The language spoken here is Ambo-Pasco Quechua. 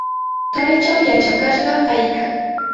Kaychaw yachakashqam kaykaa.